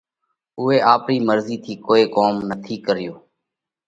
اُو آپرِي مرضِي ٿِي ڪوئي ڪوم نٿِي ڪري